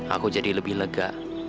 aku jadi lebih lega